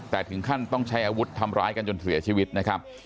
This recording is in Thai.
แต่ถึงขั้นต้องใช้อาวุธทำร้ายกันจนเสียชีวิตนะครับ